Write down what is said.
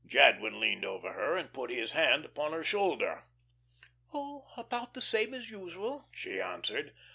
Jadwin leaned over her and put his hand upon her shoulder. "Oh, about the same as usual," she answered.